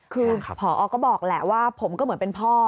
คือพอก็บอกแหละว่าผมก็เหมือนเป็นพ่อ